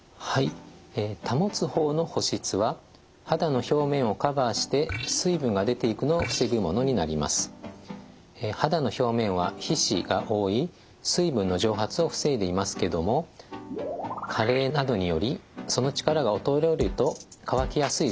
保つ方の肌の表面は皮脂が覆い水分の蒸発を防いでいますけども加齢などによりその力が衰えると乾きやすい状態になってきます。